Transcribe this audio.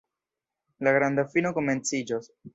La granda fino komenciĝos.